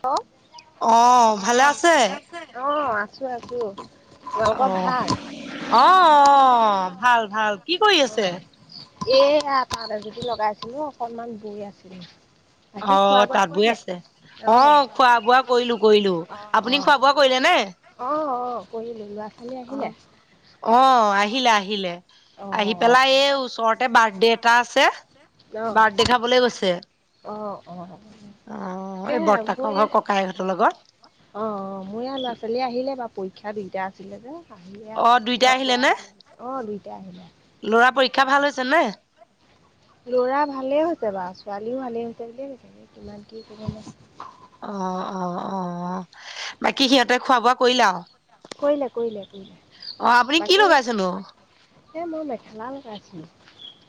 ক। [unintelligible] অ ভালে আছে? চোৱাছো। অ অ অ ভাল ভাল। কি কৰি আছে। এ তাহতে যদি লগাইছিলো অকনমান বৈ আছিল। আহ তাত বৈ আছে। অ', আহ খোৱা বোৱা কৰিলো কৰিলো। আপুনি খোৱা বোৱা কৰিলে নে? চ কৰিৰি লোৱা। অ আহ আহিলে আহিলে। অ', আহি পেলাই এই ওচৰতে বাৰ্থডে এটা আছে। অ', বাৰ্থডে খাবলৈ গৈছে। অ', অ', অ'। অ এই তাকেহে বৰ্তাকৰ ঘৰ ককাইহঁতৰ লগত। অঁ অঁ মোৰ ই ল'ৰা ছোৱালী আহিলে বাৰ পৰীক্ষা দুইটা আছিলে যে। আহিলে অহ দুইটাই খোৱা আহিলে -বোৱা নে আহিল অ দুইটা আহিলে। লৰা পৰীক্ষা ভাল হৈছে নে? ল'ৰা ভালে হৈছে বাৰু, ছোৱালীও ভালে হৈছে বুলিয়ে কৈছে, কিমান কি! অ অ অ বাকী সিহঁতে খোৱা- বোৱা কৰিলা। কৰিলে কৰিলে কৰিলে। অঁ আপুনি কি বাকী লগাইচেনো। এই মই মেখেলা লগাইছো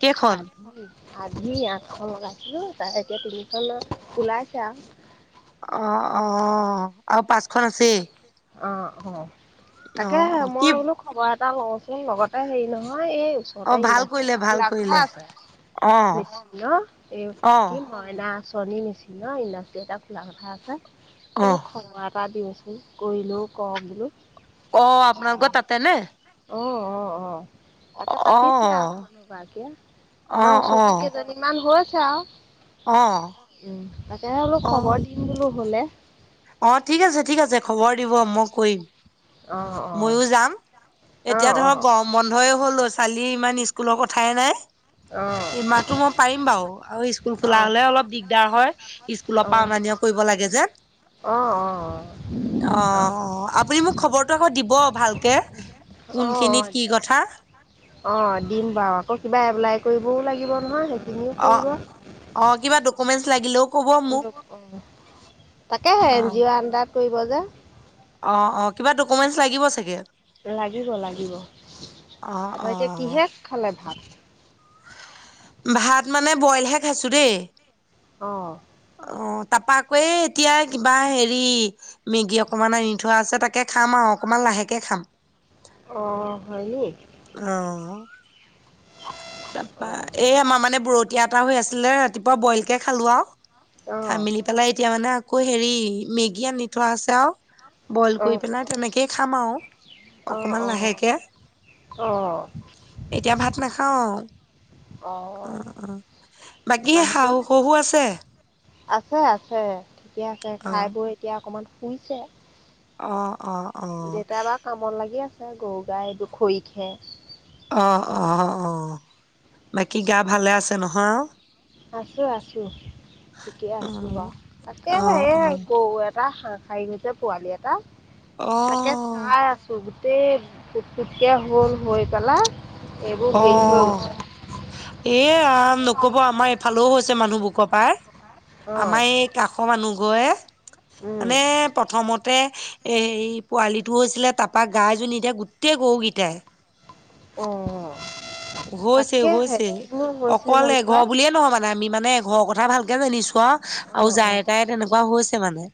কেইখন আজৰি আযি আঠখন লগাইছিলো, তাৰ এতিয়া তিনিখন ওলাইছে আও। অ অ আৰু পাঁচ অ অ তাকে অ', অ', কি মই বোলো খবৰ লচোন লগতে হেৰি নহয় এই ওচৰতে অ', ভাল ইণ্ডা কৰিলে এটা ভাল খোলা কথা কৰিলে আছে। অ', নিশ্চ ন এই অ', কি হয় না ী [unintelligible] মেচিন ন ইণ্ডাষ্ট্ৰি এটা খোলা কথা আছে, তোক অ', খবৰ এটা দিওঁ। কৰিলো কওঁ বোলো। অঁ আপোনালোকৰ তাতে নে? অ অ অ। তাকে অ', পাতিছে অ', আৰু মানুহ গৰাকীয়ে, আমাৰ অ', ওচৰত অ', কেইজনীমান হ চা অ। তাকে অলপ খবৰ দিম বোলো হ'লে। অ ঠিক আছে ঠিক আছে খবৰ দিব মই কৰিম। অ' অ', ময়ো যাম। এতিয়া অ', ধৰক অ', গৰম বন্ধই হ'লছে কালি ইমান স্কুলৰ কথাই নাই। অ। এইমাহতটো মই পাৰিম বাৰু আৰু স্কুল অ', অ', খোলা অ', হলে অলপ দিগদাৰ হয় স্কুলৰ পৰাওনা নিয়া কৰিব লাগে। অ', অ', অঁ আপুনি মোক খ - বৰ আকৌ দিব ভালকে অ', কোনখিনিত কি কথা অ দিম বাৰু আকৌ কিবা এপ্লাই কৰিবও লাগিব নহয় সেই অ অ কিবা ডকুমেন্টচ লাগিলেও কব মোক তাকে অ এন জি অঁ' আডাৰত কৰিব যে। অ অ কিবা ডকুমেন্টচ লাগিব চাগে। লাগিব লাগিব। অ অ তাতে কিহে খালে ভাত? ভাত মানে বইলহে খাইছো দেই। অঁ। অ তাৰপা আকৌ এতিয়া কিবা হেৰি মেগী অকমান আনি থোৱা আছে তাকে খাম আৰু। অকমান লাহেকে খাম। অ হয়নি। অ তাৰপা অ' এই আমাৰ মানে বৰতিয়া এটা হৈ আছিলে ৰাতিপুৱা বইল কে খালো আৰু খাই অ' মেলি পেলাই এতিয়া মানে, আকৌ হেৰি মেগী আনি থোৱা আছে আৰু বইল কৰি অ' পেলাই তেনেকেই খাম আৰু। অকমান অ' লাহেকে। অ' এতিয়া ভাত নাখাও। অ অ, বাকী শাহু মানুহজন শহু আছে? আছে আছে ঠিকে আছে, অ খাই বৈ এতিয়া অকমান শুইছে। অঁ। দেউতা বা কামত লাগি আছে, গৰু গাই এইটো খৰি খে অ অ অ অ, বাকী গা ভালে আছে নহয় অ? আছো আছো ঠিকে আছো উম বাৰু। তাকে অ সে কৌ এটা হাঁ চাই গৈছে পোৱালি এটা অ অ তাকে চায় আছো, গো সেই কুটকুটকীয়া হ'ল হৈ পেলায়। অ এ ৰাম নকব আমাৰ এইফালেও হৈছে মানুহবোৰ কৰ পাই অঁ আমাৰ এই কাষৰ মানুহ গৈয়ে, মানে প্ৰথমত। তাতে এই পোৱালিটো হৈছিলে তাৰপা গাইজনী এতিয়া গোটেই গৰুকেইটাই। অহ হৈছে-হৈছে কিনো হৈছে অকল জানো পাই এঘৰ বুলিয়ে নহয় মানে আমি মানে। ঘৰৰ কথা ভালকে জানিছো আও আৰু যায়ে-তায়ে তেনেকুৱা হৈছে মানে।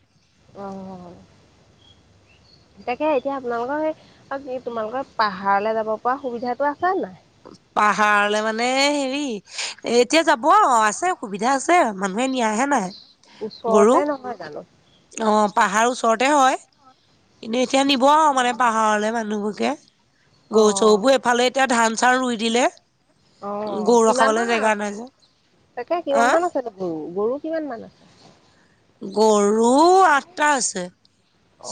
অহ তাকে এতিয়া আপোনালোকৰ সেই তোমালোকৰ পাহাৰলৈ যাব পৰা সুবিধাটো আছে নাই। পাহাৰলে মানে হেৰি এ এতিয়া যাব অ আছে সুবিধা আছে মানুহ মানুহে নিয়া হে নাই ওচৰতে গৰু। নহয় জানো? অ পাহাৰ ওচৰতে হয়, কিন্তু এতিয়া নিব আৰু মানে পাহাৰলে মানুহবোৰ। অ', গৰু-চৰুবোৰ এফালে এতিয়া ধান চান ৰুই দিলে। অ গৰু কিমান ৰখাবলে মান জেগা নাই যে তাকে অ কিমান মান আছে নো গৰু? গৰু কিমান মান আছে? গৰু - গৰু আঠটা আছে।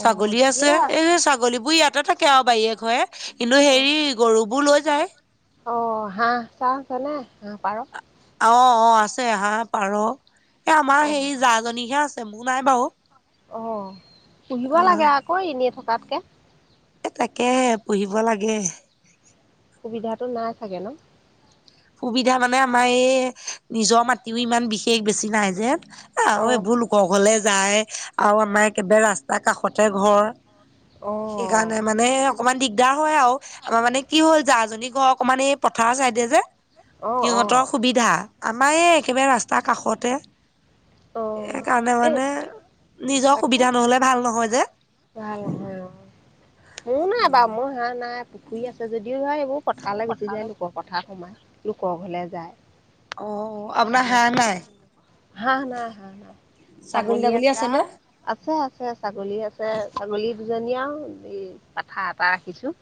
অ', ধেৰ আছে, এই ছাগলীবোৰ ইয়াতে থাক- কেও বাৰী এঘৰে কিন্তু অ', হেৰি গৰুবোৰ লৈ যায়। অ হাঁহ চাহ আছেনে হাঁহ, পাৰ। অ-অ আছে হাঁহ, পাৰ এ আমাৰ অ', সেই জাজনীৰহে আছে মোৰ নাই বাৰু। অঁ পুহিব অ লাগে আকৌ এনেই থকাতকে। এ তাকেহে পুহিব লাগে। সুবিধাটো নাই চাগে ন? সুবিধা মানে আমাৰ এই নিজৰ মাটিও ইমান বিশেষ বেছি নাই যে। এই আৰু অ', এইবোৰ লোক ঘৰলে যায় আৰু আমাৰ একেবাৰে ৰাস্তা কাষতে ঘৰ। সেইকাৰণে অ', মানে এই অকণমান দিগদাৰ হয় আও আমাৰ মানে কি হ'ল জা - জাজনী ঘৰ অকনমান এই পথাৰৰ চাইদে যে অ', সিহঁতৰ অ', সুবিধা আমাৰ এই একেবাৰে ৰাস্তাৰ কাষতে। আহ সেইকাৰণে এ- মানে নিজৰ সুবিধা নহলে ভাল নহয় যে। ভাল নহয় অ'। মোৰ নাই বাৰু মই হাঁহ নাই পুখুৰী আছে যদিও ধৰ এইবোৰ পথাৰলৈ গুচি যায় লোকৰ পথাৰ সোমাই। লোকৰ ঘৰলে যায় অ' আপোনাৰ সেইকাৰণে নাই হাঁহ - হা হা হা, ছাগলী আছে আও আছেআছে ছাগলী আছ- এ ছাগলী দুজনী আৰু এই পাঠা এটা ৰাখিছোঁ।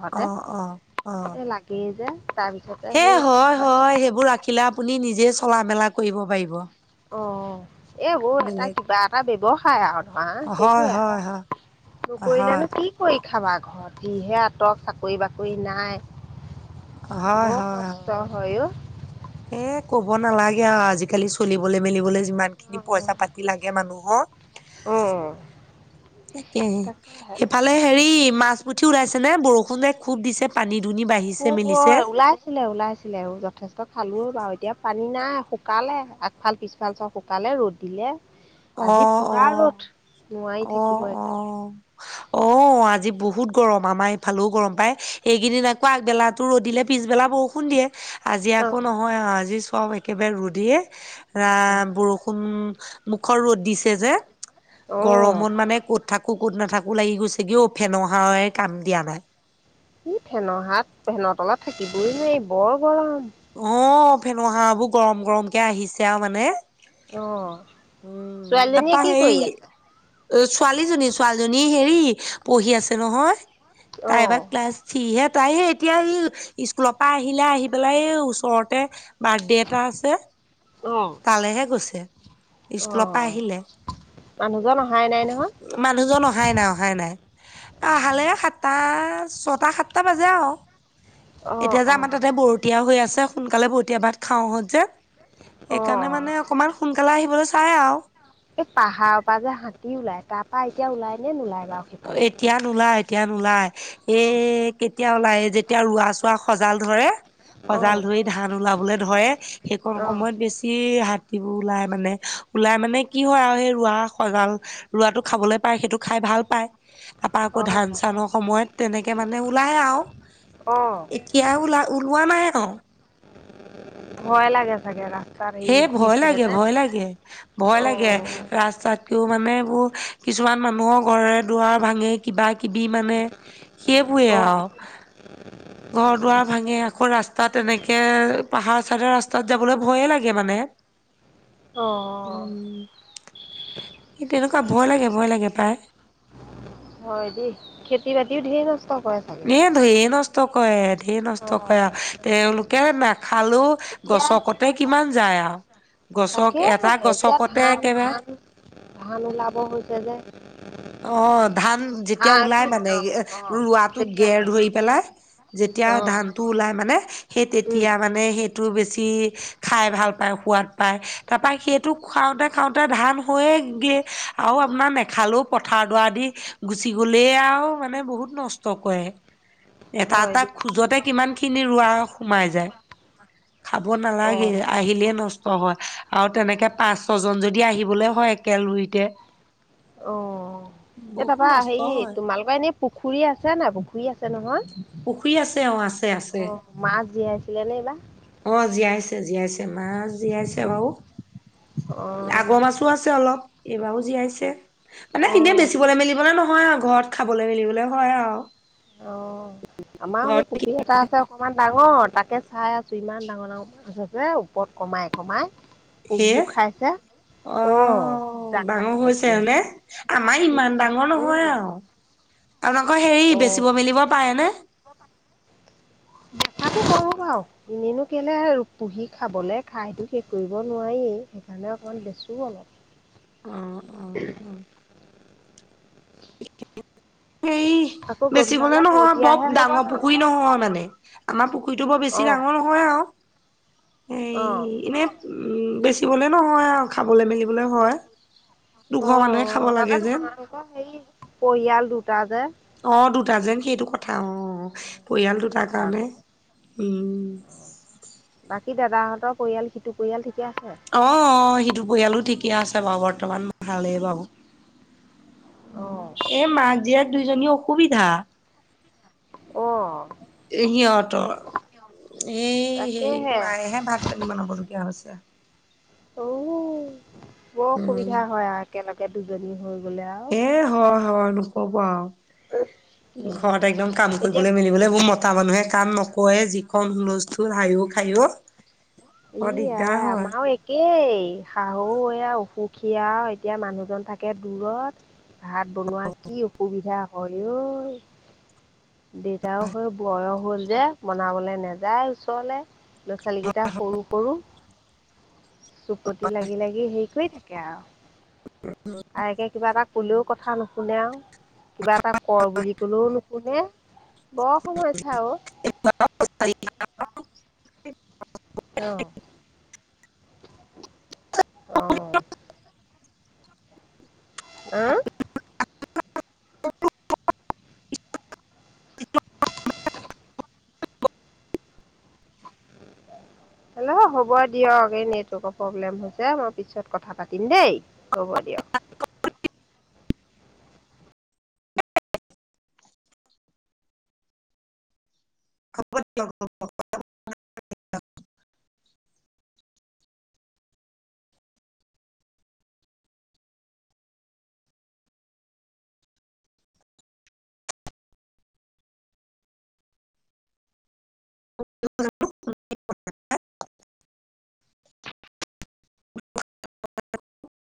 ঘৰতে, অ' এই লাগেই যে। তাৰপিছতে সে সেই বাকী হয়-হয় সেইবোৰ ৰাখিলে আপুনি নিজে চলা-মেলা কৰিব পাৰিব। অ এইবোৰ এটা বেলেগ কিবা এটা ব্যৱসায় আৰু ধৰা হয় সেইবোৰে আও। হয় হয় হয় নকৰিলেনো কি কৰি খাবা ঘৰত যিহে আঁতৰ চাকৰি-বাকৰি নাই। হয় বৰ হয় হয়। কষ্ট হয় ঔ। এ ক'ব নালাগে আও আজিকালি চলিবলৈ-মেলিবলৈ - যিমানখিনি অ', পইচা পাতি লাগে মানুহক। অ', তাকেহে তাকেহে। সিইফালে হেৰি মাছ পুঠি ওলাইছে নে বৰষুণে খুব দিছে পানী - ওলাইছিলে ওলাইছিলে আৰু যথেষ্ট - খালো বাৰু এতিয়া পানী নাই শুকালে আগফাল-পিছফাল চব শুকালে ৰ'দ দিলে। আজি অঁ পুৰা অঁ ৰ'দ নোৱাৰি থাকিব অঁ একদম। অঁ অ আজি ব- বহুত গৰম আমাৰ ইফালেও গৰম পায় এইকেইদিন আকৌ আগবেলাটো ৰ'দ দিলে পিছবেলা বৰষুণ দিয়ে। আজি আকৌ অ', নহয় আও আজি চব একেবাৰে ৰ'দে আহ অ', বৰষুণ মুখৰ ৰ'দ দিছে যে অ', গৰমত মানে ক'ত থাক - কুকুত নাথাকো লাগি গৈছে কিয় ফেনৰ হাৱাই কাম দিয়া নাই। হে ভেনত হাত ভেনৰ তলত থাকিবই নাই বৰ গৰম। অ ফেনহাৱাবোৰ গৰম গৰম কে আহিছে আৰু মানে। অ'। উম ছোৱালীজনীয়ে তাপা কি সেই কৰি আছে? ছোৱালীজনী ছোৱালীজনী হেৰি পঢ়ি আছে নহয়? তাই বা অ', ক্লাছ থ্ৰী হে তাইে এতিয়া এই স্কুলৰ পৰা আহিলে আহি পেলাই- ওচৰতে বাৰ্থডে এটা আছে অ', তালৈহে গৈছে। স্কুলৰ পৰা অ', আহিলে মানুহজন অহাই নাই নহয়? মানুহজন অহাই নাই অহাই নাই। আহ হালে সাতটা ছয়টা সাতটা বাজে আও অ', এতিয়া যে আমাৰ অ', তাতে বৰতীয়া হৈ আছে সোনকালে বৰতীয়া ভাত খাও হত যে অ', সেইকাৰণে অ, মানে অকমান সোনকালে আহিবলৈ চাই আও। এই পাহাৰৰ পৰা যে হাতী ওলাই তাৰ পৰা এতিয়া ওলাই নে নোলাই? বাৰু সেইফালে? এতিয়া নোলাই এতিয়া নোলাই এ কেতিয়া ওলাই যেতিয়া ৰোৱা চোৱা সজাল ধৰে সজাল অ', ধৰি ধান ওলাবলে ধৰে সেইকণ অ'। সময়ত বেছি হাত- হাতিবোৰ ওলাই মানে ওলাই মানে কি হয় আৰু সেই ৰোৱা সজাল ৰোৱাটো খাবলৈ পায় সেইটো খাই ভাল পাই। তাপা আকৌ ধান অ', চানৰ সময়ত তেনেকে মানে ওলাই আও। অ', এতিয়া ওলা ওলোৱা নাই। আৰু ভয় লাগে চাগে। ৰাস্তাত এ হেৰি ঘূৰি ভয় ফুৰে লাগে, যে। ভয় লাগে, ভয় লাগে অ', ৰাস্তাতকেও মানে এইবোৰ কিছুমান মানুহৰ ঘৰে দুৱাৰ ভাঙি কিবা- কিবি মানে সেইবোৱে অ'। আও। ঘৰ দুৱাৰ ভাঙে আকৌ ৰাস্তা তেনেক- কে পাহাৰ চাইডৰ ৰাস্তাত যাবলৈ ভয়ে লাগে মানে। অ তেনেকুৱা ভয় তাকে লাগে ভয় লাগে পাই। হয় দেই খেতি বাতি ধেই নষ্ট কৰে চাগে? এ ঢেৰ নষ্ট কৰে ঢেৰ নষ্ট কৰে আৰু অ', তেওঁলোকে নাখালো। এতিয়া গছকতে কিমান যায় আৰু তাকে গছক এটা এতিয়া গছকতে ধান একেবাৰে ধান ধান উলাব হৈছে যে। অ ধান যেতিয়া ধান ওলাই কি মানে অ', অ'। ৰোৱাটো তেতিয়া গেৰ হয়, ধৰি পেলাই যে- তেতিয়া অ', ধান টো ওলাই মানে সেই উম, তেতিয়া মানে সে- টো বেছি খাই ভাল পায় সোৱাদ পায় তাৰপা সেইটো খাওঁতে খাওঁতে ধান হৈয়ে এক গিয়ে আও আপোনাৰ নেখালো পথাৰ দোৱা দি গুচি গ'লে আও মানে বহুত নষ্ট কৰে। এটা হয় এটা দেই, খোজতে কিমান খিনি ৰোৱা সোমাই যায়। খাব নালাগে অ'। আহিলে নষ্ট হয় আৰু তেনেকে পাঁচ ছ জন যদি আহিবলে হয় একেলোৰিতে অ এই তাপা হেৰি হয় তোমালোকৰ এনেই পুখুৰী আছে নাই পুখুৰী আছে নহয়। পুখুৰী আছে অ আছে আছে। অ', মাছ জীয়াইছিলে নে এইবাৰ? অ জীয়াই- জীয়াইছে মাছ জীয়াইছে বাৰু অ', আগৰ মাছো আছে অলপ। এইবাৰও জীয়াইছে মানে এনে অ', বেচিবলৈ মেলিবলে নহয় আও। ঘৰত খাবলৈ মেলিবলৈ হয় আও। অ আমাৰো সেই পুখুৰী এটা আছে অকমান ডাঙৰ তাক- কে চাই আছো ইমান ডাঙৰ ডাঙৰ আছে যে ওপৰত কমাই কমাই সেয়ে পোকবোৰ খাইছে। অ জাক ডাঙৰ পাতি পাতি হৈছে হয়নে আহিছে। আমাৰ ইমান ডাঙৰ নহয় আও। আপোনালোক হেৰি অ', বেচিব মেলিব পাৰেনে? বেচাটো কৰো বাও এনেইনো কেলে পুহি খাবলে খাইতো শেষ কৰিব নোৱাৰি। সেইকাৰণে অকণমান বেছো অলপ। অ অ [unintelligible] [unintelligible] হেই আকৌ বেচি গধূলা গলে হ'লে নহয় বৰ বৰতীয়াহে হ'ব ডাঙৰ ন? পুখুৰী নহয় মানে আমাৰ পুখুৰীটো বৰ বেছি ডাঙ [inaudible] আহ। এনেই বেচিবলে নহয় আও খাবলে মেলিবলে হয়। অ দুঘৰ মানুহে খাব তাতে লাগে যে। তোমাৰ আকৌ সেই পৰিয়াল দুটা যে। অ দুটা যেন সেইটো কথা অ। সেইটো পৰিয়ালটো তাৰ কথা কাৰণে আকৌ উম। স দাদাহঁত পৰিয়াল সিটো পৰিয়াল থিক অ অ সিটো পৰিয়ালো ঠিকে আছে বাৰু বৰ্তমান ভালেই বাৰু। অ এ মাক জীয়েক দুইজনী অসুবিধা। অ। ইহঁতৰ। এ হেই তাকেহে মায়েহে ভাত পানী বনাব লগীয়া হৈছে উ উম বৰসুবিধা হয় আৰু একেলগে দুজনী হৈ গ। এ হয় হয় নকবা আও। অ ঘৰত একদম কাম এতিয়া কৰিবলৈ মেলিবলৈ বোৰ মতা মানুহে কাম নকৰে যি খন বস্তু হাইও খাইও। ই বৰ দিগদাৰ আই হয়। আমাৰো একেই শাহু এয়া অসুখ খ আৰু এতিয়া মানুহজন থাকে দূৰত ভাত বনোৱা কি অসুবিধা। হয় ঐ। দেতাও হৈ বয়স হ'ল যে বনাবলৈ নাযায় ওচৰলে। ল'ৰা ছোৱালীকেইটা সৰু সৰু চুকতি লাগি লাগি হেৰি কৰি থাকে। কেয়া বাইকে কিবা এটা কলেও কথা নুশুনে আও। কিবা এটা কৰ বুলি কলেও নুশুনে বৰ সমস্যা ঔ। [unintelligible] আহ আহ। আহ? [inaudible] হেল্লো' হ'ব দিয়ক এই নেটৱৰ্কৰ প্ৰব্লেম হৈছে মই পিছত কথা পাতিম দেই হ'ব। ব দিয়াক। হব দিয়ক হব দিয়ক। [unintelligible] [unintelligible]